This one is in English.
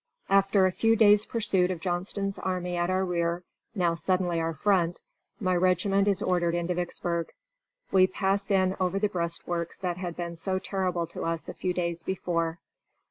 "After a few days pursuit of Johnston's army at our rear (now suddenly our front), my regiment is ordered into Vicksburg. We pass in over the breastworks that had been so terrible to us a few days before.